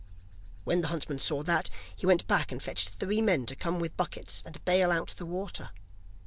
When the huntsman saw that, he went back and fetched three men to come with buckets and bale out the water.